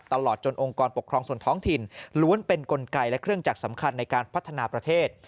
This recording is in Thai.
ตลอดจนองค์กรปกครองส่วนท้องถิ่นล้วนเป็นกลไกและเครื่องจักรสำคัญในการพัฒนาประเทศ